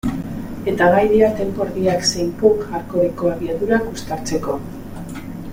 Eta gai dira tempo erdiak zein punk-hardcoreko abiadurak uztartzeko.